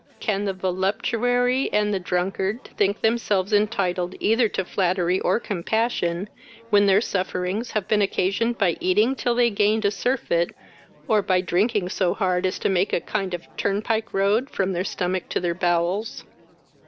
Can the voluptuary and the drunkard think themselves entitled either to flattery or compassion, when their sufferings have been occasioned by eating till they gained a surfeit, or by drinking so hard as to make a kind of turnpike road from their stomachs to their bowels."